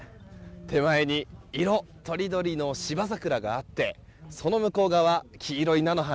手前に色とりどりの芝桜があってその向こう側、黄色い菜の花